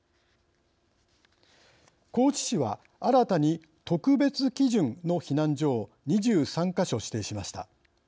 高知市は新たに「特別基準」の避難所を２３か所指定しました。